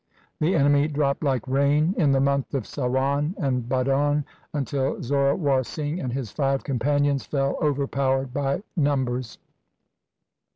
The enemy dropped like rain in the month of Sawan and Bhadon, until Zorawar Singh and his five companions fell overpowered by numbers.